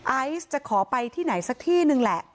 ไอซ์จะขอไปที่ไหนสักที่นึงแหละ